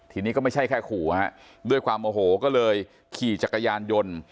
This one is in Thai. ทีนี้ก็ไม่ใช่แค่ขู่ฮะด้วยความโอโหก็เลยขี่จักรยานยนต์